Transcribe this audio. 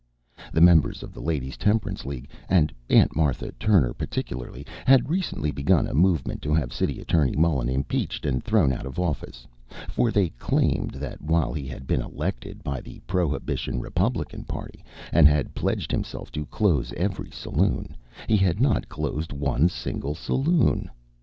The members of the Ladies' Temperance League and Aunt Martha Turner particularly had recently begun a movement to have City Attorney Mullen impeached and thrown out of office, for they claimed that while he had been elected by the Prohibition Republican Party, and had pledged himself to close every saloon, he had not closed one single saloon.